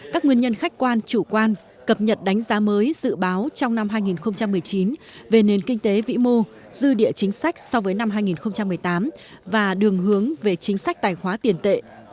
các nguyên nhân khách quan chủ quan cập nhật đánh giá mới dự báo trong năm hai nghìn một mươi chín về nền kinh tế vĩ mô dư địa chính sách so với năm hai nghìn một mươi tám và đường hướng về chính sách tài khóa tiền tệ